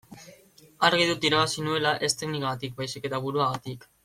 Argi dut irabazi nuela ez teknikagatik baizik eta buruagatik.